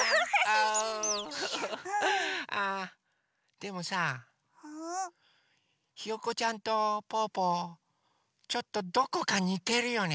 でもさひよこちゃんとぽぅぽちょっとどこかにてるよね？